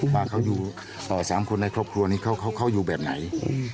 ว่าเขาอยู่๓คนในครอบครัวนี้เขาอยู่แบบไหน